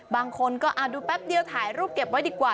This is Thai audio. บางคนก็ดูแป๊บเดียวถ่ายรูปเก็บไว้ดีกว่า